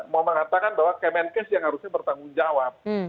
mau mengatakan bahwa kemenkes yang harusnya bertanggung jawab